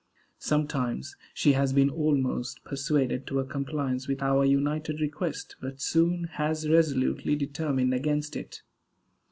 Sometimes she has been almost persuaded to a compliance with our united request, but soon has resolutely determined against it.